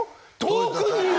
遠くにいる！